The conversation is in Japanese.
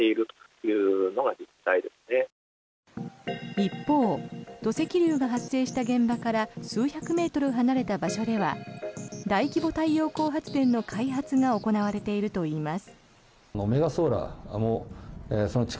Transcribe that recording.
一方土石流が発生した現場から数百メートル離れた場所では大規模太陽光発電の開発が行われているといいます。